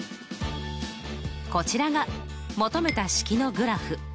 こちらが求めた式のグラフ。